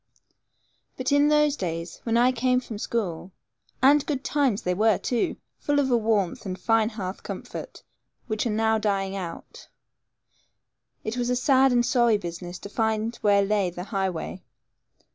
But in those days, when I came from school (and good times they were, too, full of a warmth and fine hearth comfort, which now are dying out), it was a sad and sorry business to find where lay the highway.